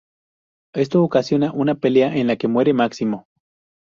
Esto ocasiona una pelea en la que muere Máximo.